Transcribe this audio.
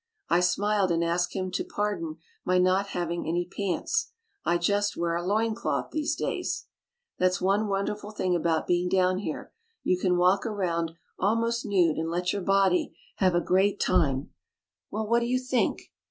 I smiled and asked him to pardon my not having any pants — I Just wear a loin cloth these days. That's one wonderful thing about being down here, you can walk around almost nude and let your body have a 94 THE BOOKMAN great time — Well what do you think